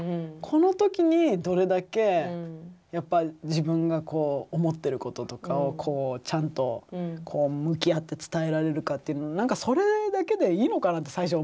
この時にどれだけやっぱ自分が思ってることとかをこうちゃんと向き合って伝えられるかっていうの何かそれだけでいいのかなって最近思ってきて。